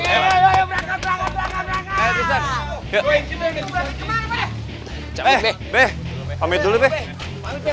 berangkat berangkat berangkat